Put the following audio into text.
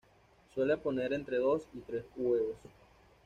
Suele poner entre dos y tres huevos.